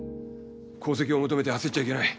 功績を求めて焦っちゃいけない。